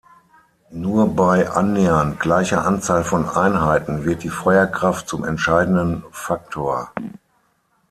Nur bei annähernd gleicher Anzahl von Einheiten wird die Feuerkraft zum entscheidenden Faktor.